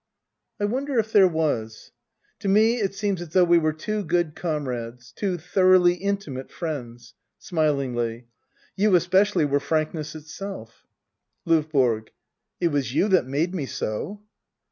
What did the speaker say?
I wonder if there was ? To me it seems as though we were two good comrades — two thoroughly intimate friends. [Smilingly,] You especially were ^nkness itself. LdVBORO. It was you that made me so.